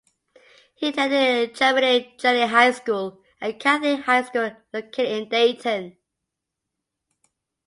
He attended Chaminade-Julienne High School, a Catholic High School located in Dayton.